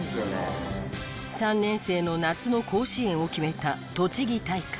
３年生の夏の甲子園を決めた栃木大会。